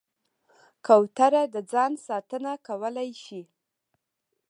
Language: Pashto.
کوتره د ځان ساتنه کولی شي.